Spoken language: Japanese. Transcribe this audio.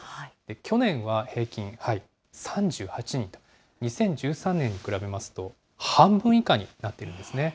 去年は平均３８人と、２０１３年に比べますと、半分以下になっているんですね。